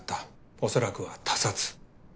おそらくは他殺。